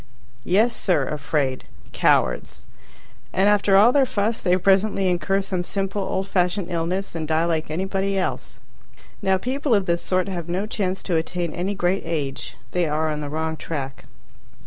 Yes, sir, afraid. "Cowards." And after all their fuss they presently incur some simple old fashioned illness and die like anybody else. Now people of this sort have no chance to attain any great age. They are on the wrong track.